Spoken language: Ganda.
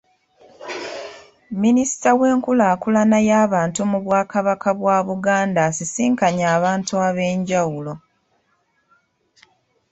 Minisita w'enkulaakulana y'abantu mu Bwakabaka bwa Buganda asisinkanye abantu ab'enjawulo.